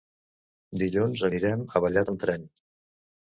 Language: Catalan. Dilluns anirem a Vallat amb tren.